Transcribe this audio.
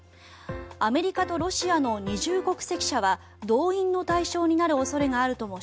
アメリカとロシアの二重国籍者は動員の対象になる恐れがあるとも